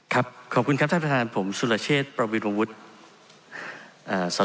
ขอบคุณครับท่านประธานผมสุรเชษประวิรวุฒิอ่า